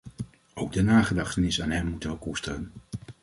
Ook de nagedachtenis aan hem moeten we koesteren.